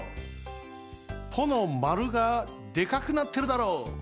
「ぽ」のまるがでかくなってるだろう？